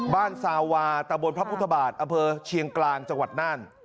ซาวาตะบนพระพุทธบาทอำเภอเชียงกลางจังหวัดน่าน